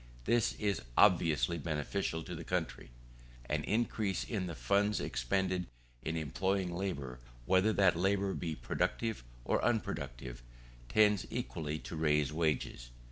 This is obviously beneficial to the country. An increase in the funds expended in employing labour, whether that labour be productive or unproductive, tends equally to raise wages.